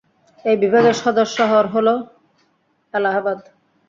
এই বিভাগের সদর শহর হল এলাহাবাদ।